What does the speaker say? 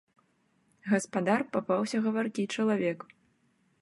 Гаспадар папаўся гаваркі чалавек.